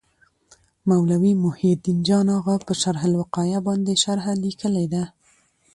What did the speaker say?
مولوي محي الدین جان اغا په شرح الوقایه باندي شرحه لیکلي ده.